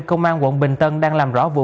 công an quận bình tân đang làm rõ vụ